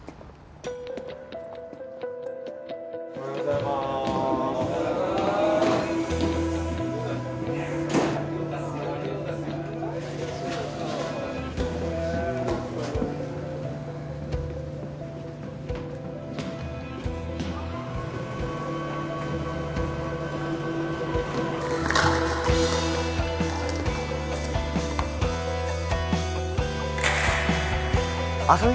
おはようございます浅見？